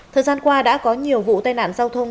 thời gian qua đã có nhiều vụ tai nạn giao thông